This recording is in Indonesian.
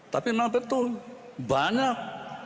tapi memang betul banyak